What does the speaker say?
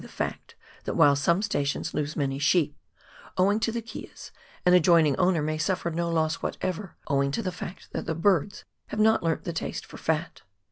the fact that while some stations lose many sheep, owing to the keas, an adjoining owner may suffer no loss whatever, owing to the fact that the birds have not learnt the taste for fat.